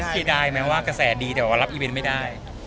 เสียดายแม้ว่ากระแสดีแต่ว่ารับอีเวนต์ไม่ได้